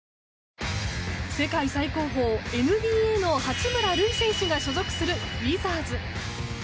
世界最高峰ＮＢＡの八村塁選手が所属するウィザーズ。